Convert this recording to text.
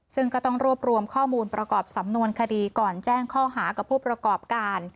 ซึ่งก็ต้องรวบรวมข้อมูลประกอบสำนวนคดีก่อนแจ้งข้อหากับผู้ประกอบการ